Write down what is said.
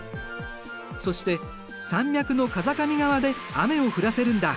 そして山脈の風上側で雨を降らせるんだ。